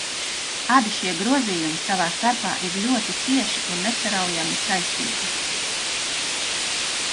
Abi šie grozījumi savā starpā ir ļoti cieši un nesaraujami saistīti.